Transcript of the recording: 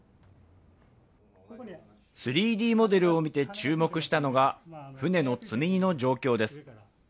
３Ｄモデルを見て注目したのが、船の積み荷の状況です。